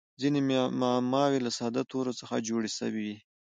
ځیني معماوي له ساده تورو څخه جوړي سوي يي.